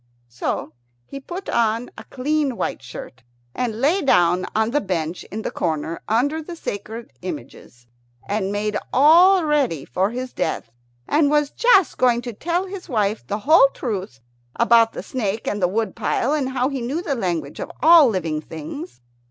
So he put on a clean white shirt, and lay down on the bench in the corner, under the sacred images, and made all ready for his death; and was just going to tell his wife the whole truth about the snake and the wood pile, and how he knew the language of all living things.